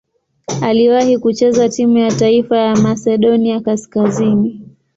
Aliwahi kucheza timu ya taifa ya Masedonia Kaskazini.